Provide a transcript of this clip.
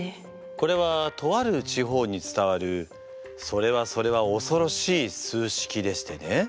これはとある地方に伝わるそれはそれはおそろしい数式でしてね。